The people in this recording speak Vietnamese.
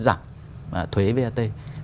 giảm thuế vat hai